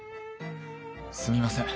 すみません